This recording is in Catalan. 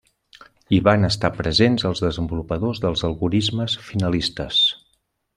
Hi van estar presents els desenvolupadors dels algorismes finalistes.